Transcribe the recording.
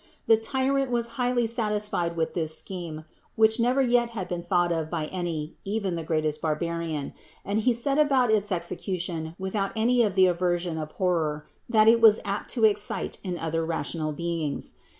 The tyrant was highly satisfied with this scheme, which never yet had been thought of by any even the greatest barbarian; and he set about its execution without any of the aversion of horror that it was apt to excite in other rational beings.